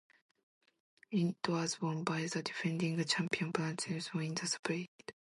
It was won by the defending champion Bonifazio in the sprint.